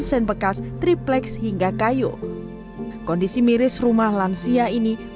sen bekas triplex hingga kayu kondisi miris rumah lansia ini terlihat sangat terbatas